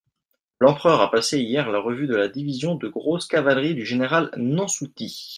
L'empereur a passé hier la revue de la division de grosse cavalerie du général Nansouty.